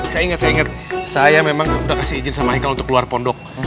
saya inget saya inget saya memang udah kasih izin sama hekal untuk keluar pondok